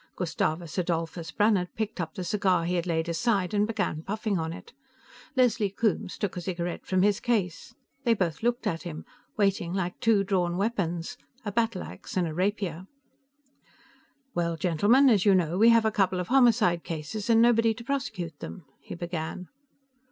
Gustavus Adolphus Brannhard picked up the cigar he had laid aside and began puffing on it; Leslie Coombes took a cigarette from his case. They both looked at him, waiting like two drawn weapons a battle ax and a rapier. "Well, gentlemen, as you know, we have a couple of homicide cases and nobody to prosecute them," he began.